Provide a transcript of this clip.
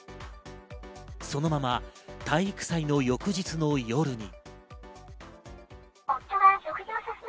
そのまま体育祭の翌日の夜に。